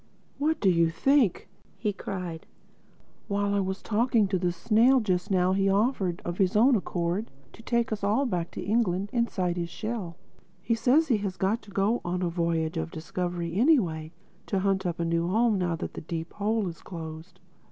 "What do you think?" he cried, "while I was talking to the snail just now he offered, of his own accord, to take us all back to England inside his shell. He says he has got to go on a voyage of discovery anyway, to hunt up a new home, now that the Deep Hole is closed.